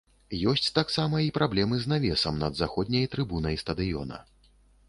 Ёсць таксама і праблемы з навесам над заходняй трыбунай стадыёна.